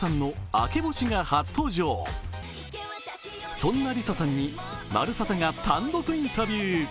そんなＬｉＳＡさんに「まるサタ」が単独インタビュー。